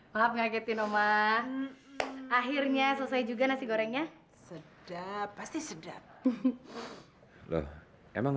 maaf ngaketin om ah akhirnya selesai juga nasi gorengnya sedap pasti sedap loh emang